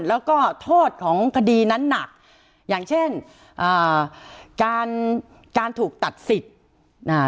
แล้วก็โทษของคดีนั้นหนักอย่างเช่นอ่าการการถูกตัดสิทธิ์อ่า